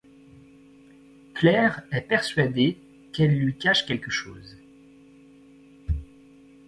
Claire est persuadée qu’elle lui cache quelque chose.